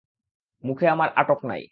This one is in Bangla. মুখের আমার আটক নেই!